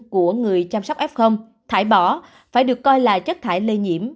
của người chăm sóc f thải bỏ phải được coi là chất thải lây nhiễm